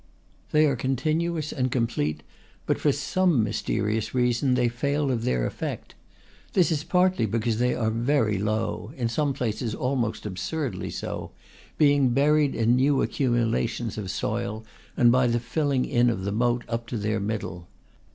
They are continuous and complete, but for some mysterious reason they fail of their effect. This is partly because they are very low, in some places almost absurdly so; being buried in new accumulations of soil, and by the filling in of the moat up to their middle.